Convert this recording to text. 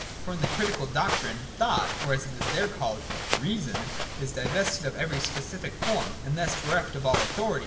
For, in the Critical doctrine, thought, or, as it is there called, Reason, is divested of every specific form, and thus bereft of all authority.